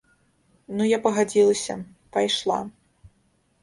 Ну я пагадзілася, пайшла.